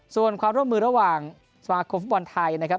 ส่วนความร่วมมือระหว่างสมาคมฟุตบอลไทยนะครับ